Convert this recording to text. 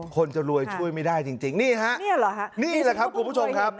คนจะรวยช่วยไม่ได้จริงนี่ฮะนี่แหละครับคุณผู้ชมครับ